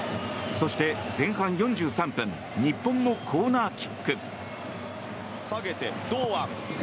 そして、前半４３分日本のコーナーキック。